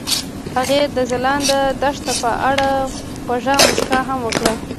هغې د ځلانده دښته په اړه خوږه موسکا هم وکړه.